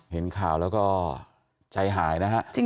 เห็นข่าวแล้วก็ใจหายนะฮะ